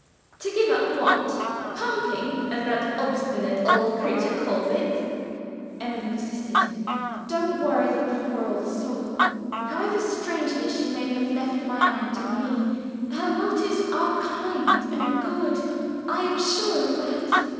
"To give up what? 'Pumping,' as that obstinate old creature calls it?" Emily persisted. "Don't worry the poor old soul! However strangely she may have left my aunt and me her motives are kind and good I am sure of that.